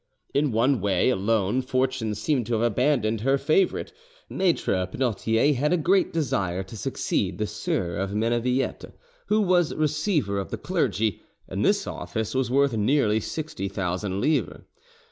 In one way alone Fortune seemed to have abandoned her favourite: Maitre Penautier had a great desire to succeed the Sieur of Mennevillette, who was receiver of the clergy, and this office was worth nearly 60,000 livres.